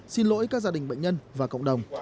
xin lỗi các gia đình bệnh nhân và cộng đồng